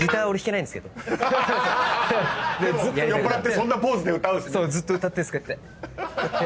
でも酔っぱらってそんなポーズで歌うんですね。